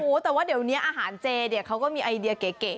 โอ้โหแต่ว่าเดี๋ยวนี้อาหารเจเนี่ยเขาก็มีไอเดียเก๋